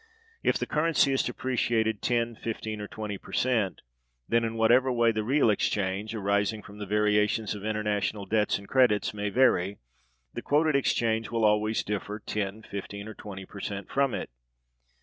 If the currency is depreciated 10, 15, or 20 per cent, then in whatever way the real exchange, arising from the variations of international debts and credits, may vary, the quoted exchange will always differ 10, 15, or 20 per cent from it.